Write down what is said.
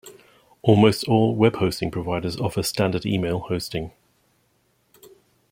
Almost all webhosting providers offer standard email hosting.